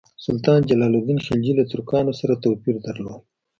سلطان جلال الدین خلجي له ترکانو سره توپیر درلود.